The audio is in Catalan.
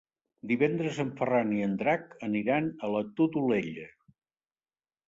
Divendres en Ferran i en Drac aniran a la Todolella.